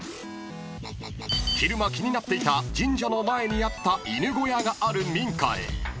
［昼間気になっていた神社の前にあった犬小屋がある民家へ］